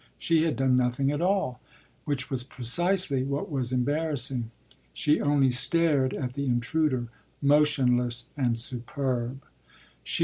She had done nothing at all, which was precisely what was embarrassing; she only stared at the intruder, motionless and superb.